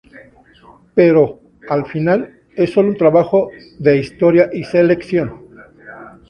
Pero, al final, es sólo un trabajo de historia y selección".